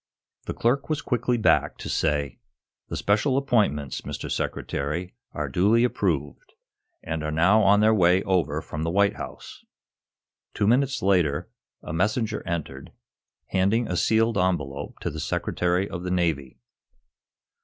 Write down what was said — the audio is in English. The clerk was quickly back, to say: "The special appointments, Mr. Secretary, are duly approved, and are now on their way over from the White House." Two minutes later, a messenger entered, handing a sealed envelope to the Secretary of the Navy.